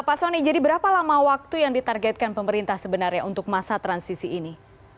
pak soni jadi berapa lama waktu yang ditargetkan pemerintah sebenarnya untuk masa transisi ini